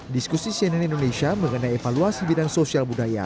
diskusi cnn indonesia mengenai evaluasi bidang sosial budaya